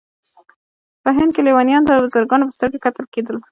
په هند کې لیونیانو ته د بزرګانو په سترګه کتل کېدل.